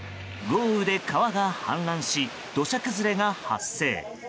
豪雨で川が氾濫し土砂崩れが発生。